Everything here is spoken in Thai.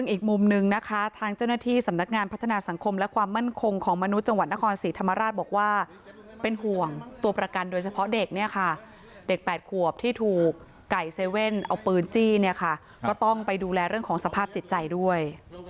อีกมุมนึงนะคะทางเจ้าหน้าที่สำนักงานพัฒนาสังคมและความมั่นคงของมนุษย์จังหวัดนครศรีธรรมราชบอกว่าเป็นห่วงตัวประกันโดยเฉพาะเด็กเนี่ยค่ะเด็ก๘ขวบที่ถูกไก่เซเว่นเอาปืนจี้เนี่ยค่ะก็ต้องไปดูแลเรื่องของสภาพจิตใจด้วย